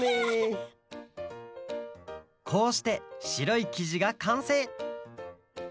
こうしてしろいきじがかんせい！